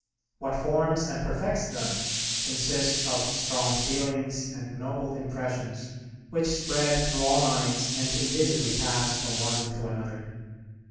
What forms and perfects them consists of strong feelings and noble impressions which spread through all minds and invisibly pass from one to another.